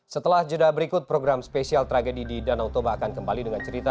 setelah jeda berikut program spesial tragedi di danau toba akan kembali dengan cerita